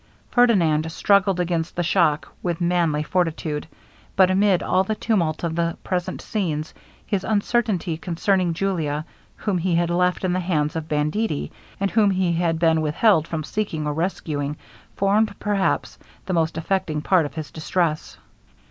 Ferdinand struggled against the shock with manly fortitude. But amid all the tumult of the present scenes, his uncertainty concerning Julia, whom he had left in the hands of banditti, and whom he had been withheld from seeking or rescuing, formed, perhaps, the most affecting part of his distress.